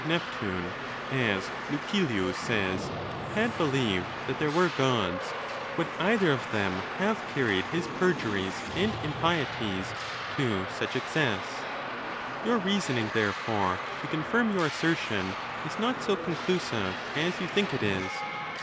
Neptune, as Lucilius says, had believed that there were Gods, would either of them have carried his perjuries and impieties to such excess? Your reasoning, therefore, to confirm your assertion is not so conclusive as you think it is.